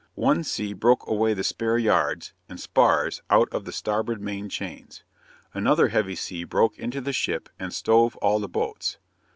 One sea broke away the spare yards and spars out of the starboard main chains. Another heavy sea broke into the ship and stove all the boats.